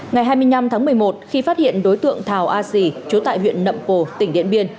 ngày hai mươi năm tháng một mươi một khi phát hiện đối tượng thảo a dì trú tại huyện nậm pồ tỉnh điện biên